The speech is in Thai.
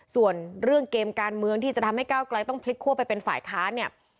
ส่วนเรื่องเกมการเมืองที่จะทำให้ก้าวไกลต้องพลิกคั่วไปเป็นฝ่ายค้านเนี่ย